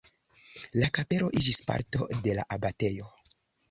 La kapelo iĝis parto de la abatejo.